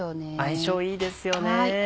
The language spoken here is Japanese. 相性いいですよね。